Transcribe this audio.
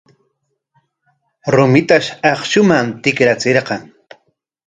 Rumitash akshuman tikrachirqan.